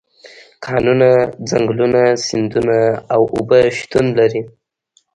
کانونه، ځنګلونه، سیندونه او اوبه شتون لري.